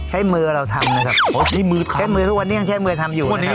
ใช้มือเราทำนะครับเหรอใช้มือทำใช้มือทุกวันนี้ก็ใช้มือทำอยู่นะครับ